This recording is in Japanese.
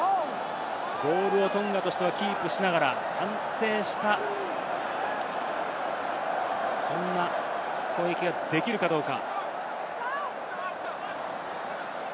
ボールをトンガとしてはキープしながら、安定した、そんな攻撃ができるかどうか。